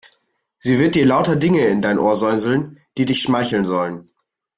Sie wird dir lauter Dinge in dein Ohr säuseln, die dich schmeicheln sollen.